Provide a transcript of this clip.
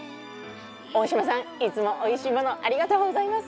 大島さんいつもおいしいものありがとうございます！